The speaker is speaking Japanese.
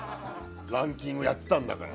ランキングやってたんだから。